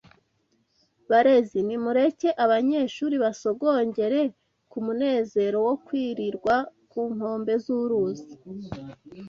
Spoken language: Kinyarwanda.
Barezi, nimureke abanyeshuri basogongere ku munezero wo kwirirwa ku nkombe z’uruzi